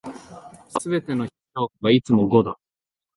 全ての評価がいつも五だ。